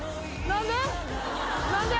何で？